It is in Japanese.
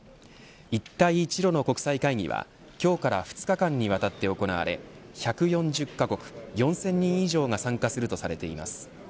一帯一路の国際会議は今日から２日間にわたって行われ１４０カ国、４０００人以上が参加するとされています。